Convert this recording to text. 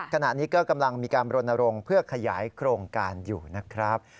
ขณะนี้ก็กำลังมีการบรณรงค์เพื่อขยายโครงการอยู่นะครับ